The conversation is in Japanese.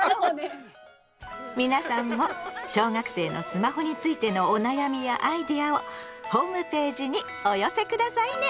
皆さんも小学生のスマホについてのお悩みやアイデアをホームページにお寄せ下さいね！